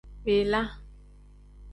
Bila.